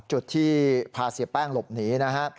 จุดที่พาเสียแป้งหลบหนีนะฮะ